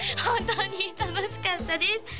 本当に楽しかったです